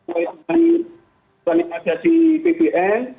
karena ini ada di pbm